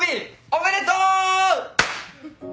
おめでとう！